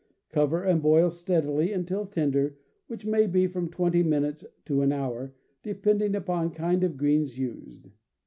Cover, and boil 158 CAMPING AND WOODCRAFT steadily until tender, which may be from twenty min utes to an hour, depending upon kind of greens used.